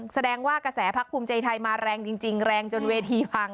แสดงว่ากระแสพักภูมิใจไทยมาแรงจริงแรงจนเวทีพัง